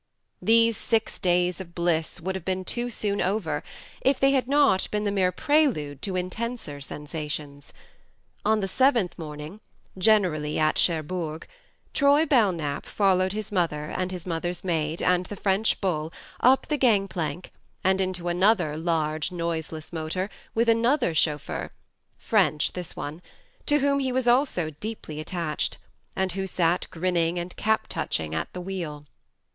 THE MARNE 5 These six days of bliss would have been too soon over if they had not been the mere prelude to intenser sensations. On the seventh morning generally at Cherbourg Troy Belknap followed his mother, and his mother's maid, and the French bull, up the gang plank and into another large noiseless motor, with another chauffeur (French, this one) to whom he was also deeply attached, and who sat grinning and cap touching at the wheel.